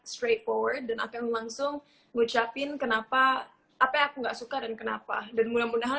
straight forward dan aku langsung ngucapin kenapa apa yang aku nggak suka dan kenapa dan mudah mudahan